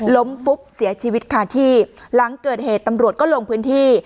ล้มปุ๊บเสียชีวิตคาที่หลังเกิดเหตุตำรวจก็ลงพื้นที่